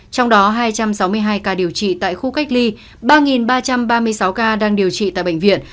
trong đó hai trăm sáu mươi hai ca điều trị tại khu cách ly ba ba trăm ba mươi sáu ca đang điều trị tại bệnh viện